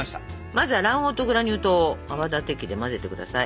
まずは卵黄とグラニュー糖を泡立て器で混ぜてください。